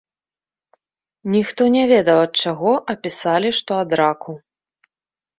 Ніхто не ведаў, ад чаго, а пісалі, што ад раку.